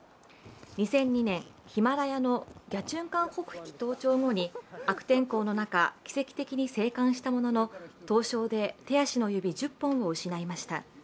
２００２年、ヒマラヤのギャチュン・カン北壁登頂後に悪天候の中、奇跡的に生還したものの凍傷で手足の指１０本を失いました。